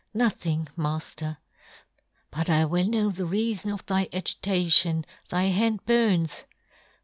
" Nothing, Mafler." " But I will " know the reafon of thy agitation ;" thy hand burns."